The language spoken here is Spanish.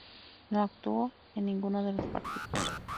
No actuó en ninguno de los partidos.